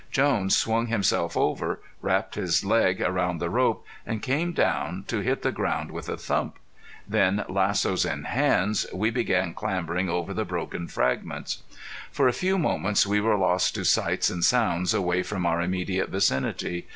Jones swung himself over, wrapped his leg around the rope, and came down, to hit the ground with a thump. Then, lassos in hands, we began clambering over the broken fragments. For a few moments we were lost to sights and sounds away from our immediate vicinity.